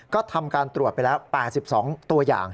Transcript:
ก็ทำการตรวจไปแล้ว๘๒ตัวอย่าง